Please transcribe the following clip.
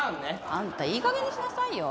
あんたいい加減にしなさいよ。